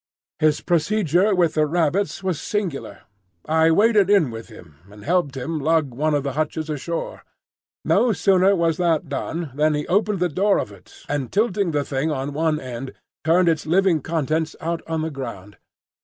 His procedure with the rabbits was singular. I waded in with him, and helped him lug one of the hutches ashore. No sooner was that done than he opened the door of it, and tilting the thing on one end turned its living contents out on the ground.